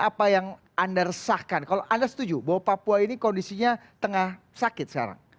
apa yang anda resahkan kalau anda setuju bahwa papua ini kondisinya tengah sakit sekarang